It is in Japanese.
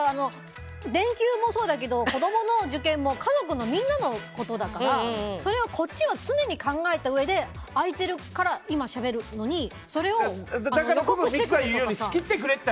電球もそうだけど、子供の受験もみんなのことだからそれをこっちは常に考えたうえで空いてるから、今しゃべるのにそれを予告してくれって。